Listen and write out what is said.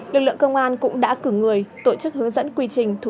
lực lượng công an cũng đã cử người tổ chức hướng dẫn quy trình